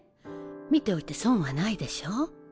見ておいて損はないでしょ？